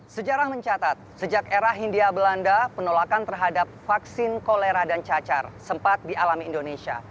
sejarah mencatat sejak era hindia belanda penolakan terhadap vaksin kolera dan cacar sempat dialami indonesia